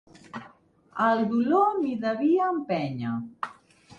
El dolor m'hi devia empènyer.